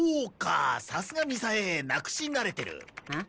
さすがみさえなくし慣れてる！